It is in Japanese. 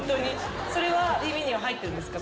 それは耳には入ってるんですか？